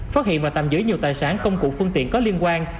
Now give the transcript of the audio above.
phát hiện và tạm giữ nhiều tài sản công cụ phương tiện có liên quan